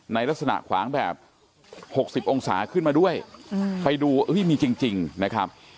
ในลักษณะขวางแบบ๖๐องศาขึ้นมาด้วยไปดูมีจริงนะครับ